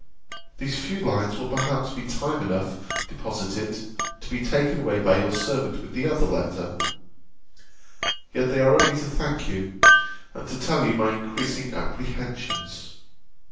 These few lines will perhaps be time enough deposited, to be taken away by your servant with the other letter: yet they are only to thank you, and to tell you my increasing apprehensions.